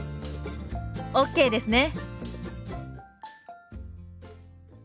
ＯＫですね！